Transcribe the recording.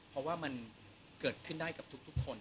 เพราะว่ามันเกิดขึ้นได้กับทุกคน